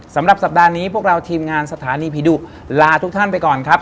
สำหรับสัปดาห์นี้พวกเราทีมงานสถานีผีดุลาทุกท่านไปก่อนครับ